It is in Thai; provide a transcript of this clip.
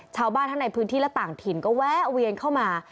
ชาวบ้านทั้งในพื้นที่และต่างถิ่นก็แวะเวียนเข้ามา